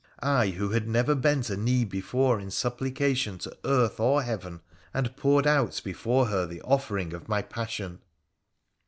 — I who had never bent a knee before in supplication to earth or heaven, and poured out before her the offering of my passion.